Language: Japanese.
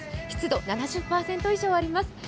湿度７０％以上あります。